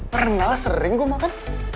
pernah sering gue makan